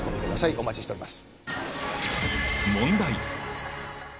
お待ちしております